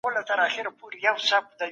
کنت د مشاهده کولو سپارښتنه وکړه.